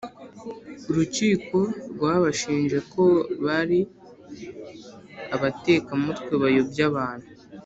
Urukiko rwabashinje ko bari abatekamutwe bayobya abantu